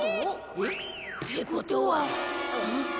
えっ？ってことは。